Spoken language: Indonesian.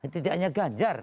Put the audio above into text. tidak hanya gajar